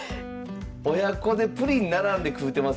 親子でプリン並んで食うてますやん！